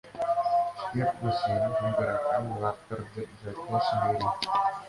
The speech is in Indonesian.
Setiap mesin menggerakkan water jet drive-nya sendiri.